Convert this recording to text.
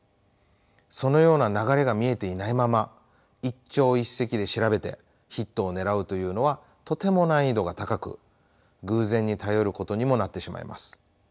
そのような流れが見えていないまま一朝一夕で調べてヒットをねらうというのはとても難易度が高く偶然に頼ることにもなってしまいます。